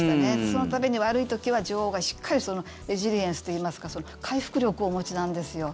その度に、悪い時は女王がしっかりレジリエンスというか回復力をお持ちなんですよ。